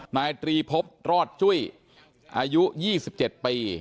นายตรีพบรอดจุ้ยอายุ๒๗ปี